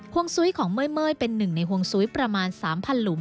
วงซุ้ยของเมื่อยเป็นหนึ่งในห่วงซุ้ยประมาณ๓๐๐หลุม